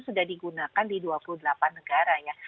sudah digunakan di dua puluh delapan negara ya